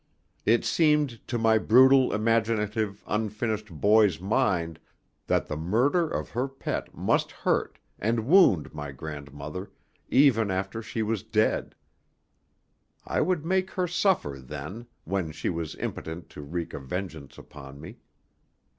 It seemed to my brutal, imaginative, unfinished boy's mind that the murder of her pet must hurt and wound my grandmother even after she was dead. I would make her suffer then, when she was impotent to wreak a vengeance upon me.